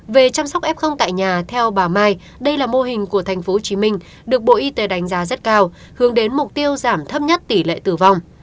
về chăm sóc f tại nhà theo bà mai đây là mô hình của tp hcm được bộ y tế đánh giá rất cao hướng đến mục tiêu giảm thấp nhất tỷ lệ tử vong